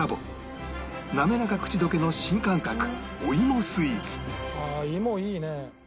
滑らか口溶けの新感覚お芋スイーツああ芋いいね。